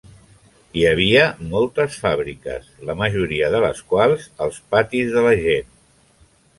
Hi havia moltes fàbriques, la majoria de les quals als patis de la gent.